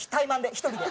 １人で。